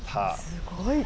すごい。